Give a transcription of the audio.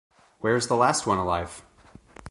Where’s the last one alive?